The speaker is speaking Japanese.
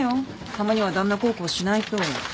たまには旦那孝行しないと。